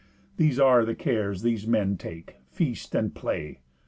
These are the cares these men take; feast and play.